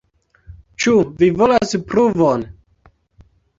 Ĉu vi volas pruvon?